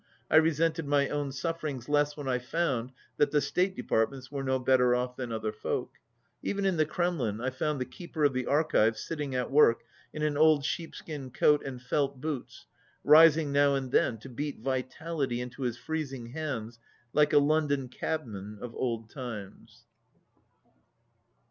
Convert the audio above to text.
I resented my own sufferings less when I found that the State Departments were no better off than other folk. Even in the Kremlin I found the Keeper of the Archives sitting at work in an old sheepskin coat and felt boots, rising now and then to beat vitality into his freezing hands like a Lon don cabman of old times.